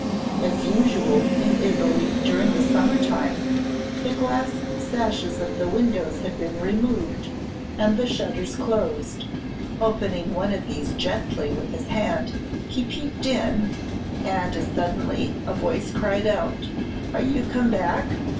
As usual in Italy, during the summer time, the glass sashes of the windows had been removed, and the shutters closed. Opening one of these gently with his hand, he peeped in, and as suddenly a voice cried out, "Are you come back?